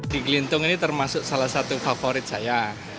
di gelintung ini termasuk salah satu favorit saya